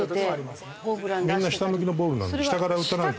みんな下向きのボールなので下から。